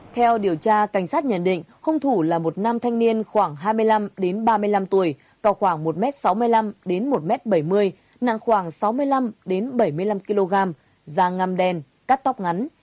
theo điều tra cảnh sát nhận định hung thủ là một nam thanh niên khoảng hai mươi năm ba mươi năm tuổi cao khoảng một m sáu mươi năm một m bảy mươi nặng khoảng sáu mươi năm bảy mươi năm kg da ngầm đen cắt tóc ngắn